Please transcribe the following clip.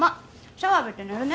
シャワー浴びて寝るね